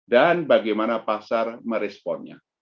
dan bagaimana pasar meresponnya